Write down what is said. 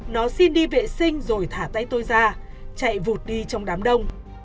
nó xin đi vệ sinh rồi thả tay tôi ra chạy vụt đi trong đám đông